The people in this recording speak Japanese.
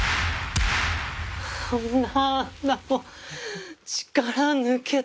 なんだもう力抜けた。